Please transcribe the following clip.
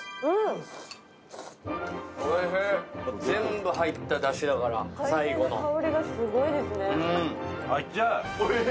全部入っただしだから、最後の。